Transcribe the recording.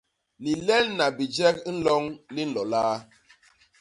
Lilelna bijek nloñ li nlo laa?